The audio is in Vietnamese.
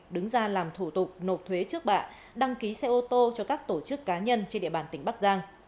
đứng ra làm thủ tục nộp thuế trước bạ đăng ký xe ô tô cho các tổ chức cá nhân trên địa bàn tỉnh bắc giang